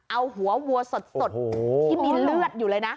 เอาหัววัวสดที่มีเลือดอยู่เลยนะ